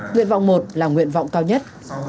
nguyện vọng một là nguyện vọng cao nhất